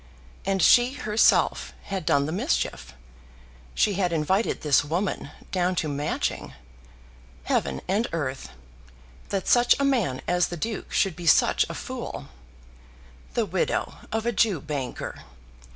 And she herself had done the mischief! She had invited this woman down to Matching! Heaven and earth! that such a man as the Duke should be such a fool! The widow of a Jew banker!